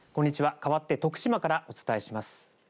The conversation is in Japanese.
かわって徳島からお伝えします。